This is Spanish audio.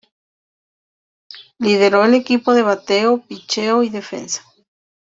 Lideró el equipo en bateo, pitcheo y defensa.